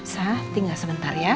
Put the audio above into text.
sa tinggal sebentar ya